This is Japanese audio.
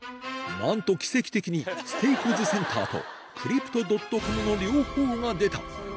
なんと奇跡的にステイプルズ・センターとクリプト・ドットコムの両方が出た！